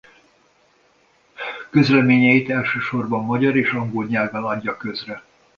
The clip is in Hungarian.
Közleményeit elsősorban magyar és angol nyelven adja közre.